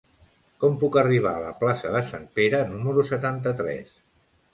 Com puc arribar a la plaça de Sant Pere número setanta-tres?